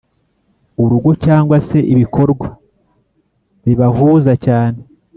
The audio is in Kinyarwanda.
urugo cyangwa se ibikorwa bibahuza cyane.